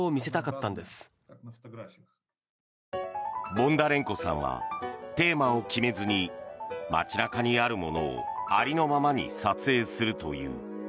ボンダレンコさんはテーマを決めずに街中にあるものをありのままに撮影するという。